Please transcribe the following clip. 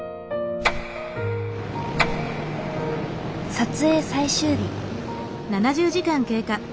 撮影最終日。